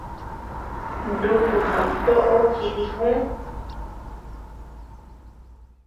Nuku nut toʼo jidijü.